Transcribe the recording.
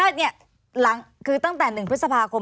จริงส่วนหนึ่งคือตั้งแต่หนึ่งพฤษภาคม